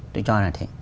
tôi cho là thế